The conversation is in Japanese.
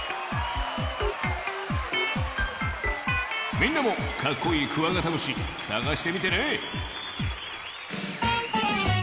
みんなもかっこいいクワガタムシさがしてみてね！